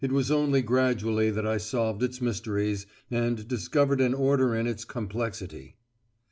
It was only gradually that I solved its mysteries, and discovered an order in its complexity.